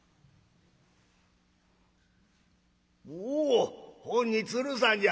「おおほんに鶴さんじゃ。